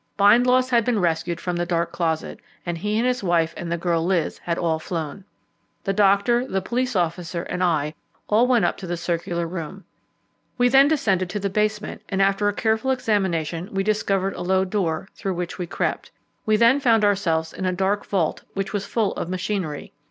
Bindloss had been rescued from the dark closet, and he and his wife and the girl Liz had all flown. The doctor, the police officer, and I, all went up to the circular room. We then descended to the basement, and after a careful examination we discovered a low door, through which we crept; we then found ourselves in a dark vault, which was full of machinery.